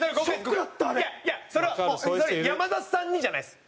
それは山里さんにじゃないです。